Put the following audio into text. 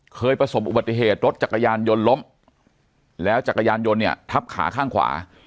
เคยประสบอุบัติเหตุรถจักรยานยนต์ล้มแล้วจักรยานยนต์เนี่ยทับขาข้างขวา